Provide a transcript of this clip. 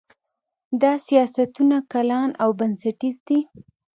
دا سیاستونه کلان او بنسټیز دي.